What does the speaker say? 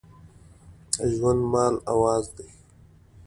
ژوند، مال او آزادي